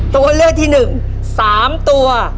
ตัวเลือกที่หนึ่ง๓ตัว